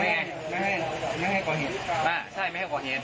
ไม่ให้โดนเห็ด